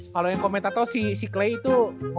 kalo yang komentar tau si si clay itu